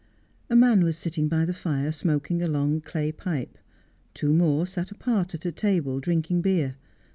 A man was sitting by the fire smoking a long clay pipe. Two more sat apart at a table drinking beer.